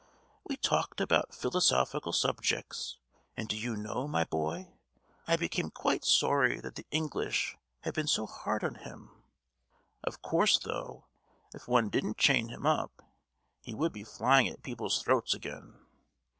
We talked about philosophical subjects. And do you know, my boy, I became quite sorry that the English had been so hard upon him. Of course, though, if one didn't chain him up, he would be flying at people's throats again!